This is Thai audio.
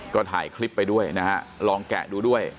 ก็ถ่ายคลิปไปด้วยนะฮะลองแกะดูด้วย